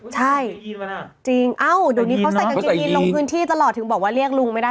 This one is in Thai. ใช่จริงเอ้าเดี๋ยวนี้เขาใส่กางเกงยีนลงพื้นที่ตลอดถึงบอกว่าเรียกลุงไม่ได้